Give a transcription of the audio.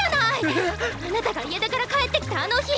ええ⁉あなたが家出から帰ってきたあの日！